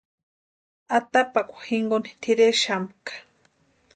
Atapakwa jinkoni tʼirexamka.